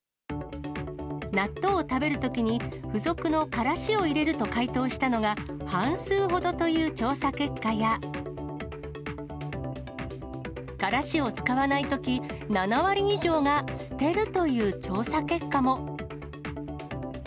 納豆を食べるときに、付属のカラシを入れると回答したのが、半数ほどという調査結果や、カラシを使わないとき、７割以上が捨てるという調査結果も。